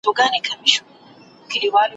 پر لمن د ګل غونډۍ یم رغړېدلی ,